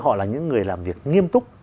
họ là những người làm việc nghiêm túc